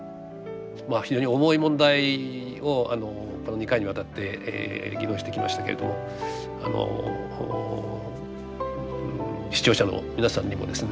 非常に重い問題をこの２回にわたって議論してきましたけれども視聴者の皆さんにもですね